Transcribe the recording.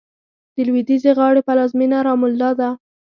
د لوېدیځې غاړې پلازمېنه رام الله ده.